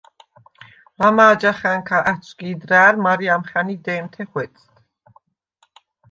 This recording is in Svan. ლამა̄ჯახა̈ნქა ა̈თვსგი̄დრა̄̈ლ, მარე ამხა̈ნი დე̄მთე ხვეწდ.